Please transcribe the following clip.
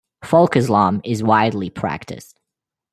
Folk Islam is widely practiced.